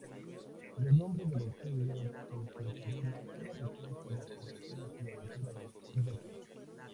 Los nombres de los sellos desencadenan una riqueza de asociación y aventura de Joseph.